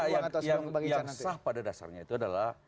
yang sah pada dasarnya itu adalah